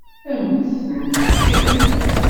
Ad m-ten-fken?